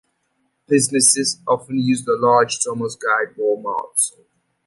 Businesses often use the large "Thomas Guide" wall maps.